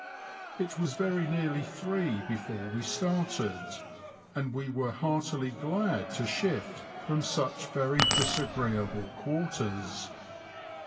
It was very nearly three before we started, and we were heartily glad to shift from such very disagreeable quarters.